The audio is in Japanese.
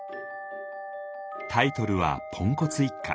タイトルは「ポンコツ一家」。